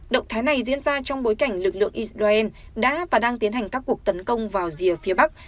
động thái này diễn ra trong bối cảnh lực lượng israel đã và đang tiến hành các cuộc tấn công vào rìa phía bắc